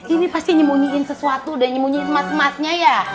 ini pasti nyemunyiin sesuatu dan nyemunyiin emas emasnya ya